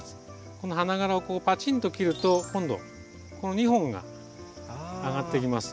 この花がらをこうパチンと切ると今度この２本があがってきます。